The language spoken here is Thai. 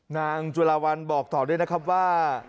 จุลาวันบอกต่อด้วยนะครับว่า